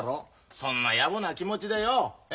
そんなやぼな気持ちでよええ？